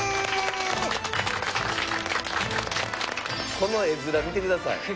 この絵面見てください。